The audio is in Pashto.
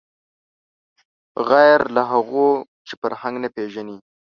غیر له هغو چې فرهنګ نه پېژني